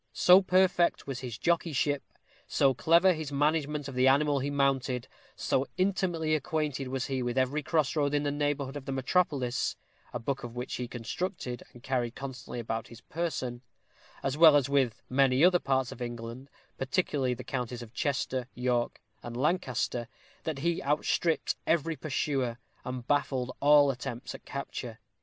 So perfect was his jockeyship, so clever his management of the animal he mounted, so intimately acquainted was he with every cross road in the neighborhood of the metropolis a book of which he constructed, and carried constantly about his person , as well as with many other parts of England, particularly the counties of Chester, York, and Lancaster, that he outstripped every pursuer, and baffled all attempts at capture.